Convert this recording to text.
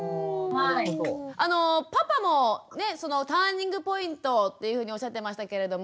パパもターニングポイントっていうふうにおっしゃってましたけれども。